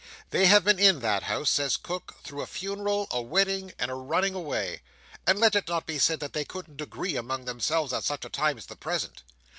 They have been in that house (says Cook) through a funeral, a wedding, and a running away; and let it not be said that they couldn't agree among themselves at such a time as the present.